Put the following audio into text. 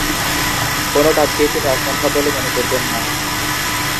কোনো কাজকেই তিনি অসম্ভব বলে মনে করতেন না।